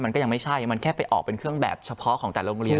มันก็ยังไม่ใช่มันแค่ไปออกเป็นเครื่องแบบเฉพาะของแต่โรงเรียน